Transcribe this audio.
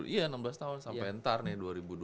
iya enam belas tahun sampai entar nih dua ribu dua puluh